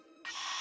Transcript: あ！